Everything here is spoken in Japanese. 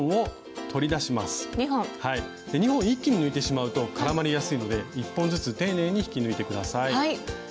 ２本一気に抜いてしまうと絡まりやすいので１本ずつ丁寧に引き抜いて下さい。